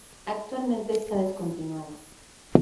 Actualmente está descontinuada.